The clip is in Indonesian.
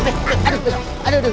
be aduh aduh aduh